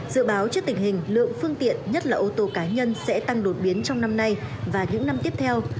dự báo trước tình hình lượng phương tiện nhất là ô tô cá nhân sẽ tăng đột biến trong năm nay và những năm tiếp theo